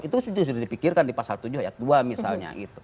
itu sudah dipikirkan di pasal tujuh ayat dua misalnya